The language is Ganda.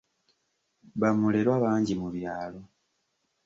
Bamulerwa bangi mu byalo.